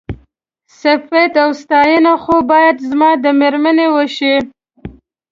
صيفت او ستاينه خو بايد زما د مېرمنې وشي.